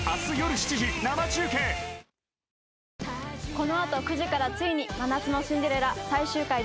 この後９時からついに『真夏のシンデレラ』最終回です。